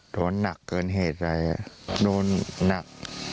โดนนักเกินเหตุเลยโดนนัก